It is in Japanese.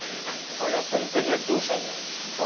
やっぱりイタリアっておしゃれなんですね